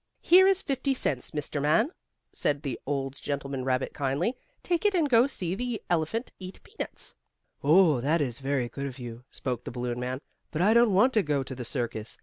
Here is fifty cents, Mr. Man," said the old gentleman rabbit, kindly. "Take it and go see the elephant eat peanuts." "Oh, that is very good of you," spoke the balloon man, "but I don't want to go to the circus.